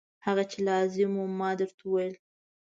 هغه چې لازم و ما درته وویل.